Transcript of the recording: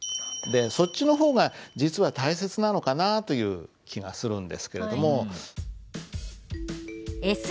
そっちの方が実は大切なのかなという気がするんですけれども。